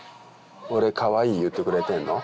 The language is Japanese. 俺かわいい言うてくれてんの？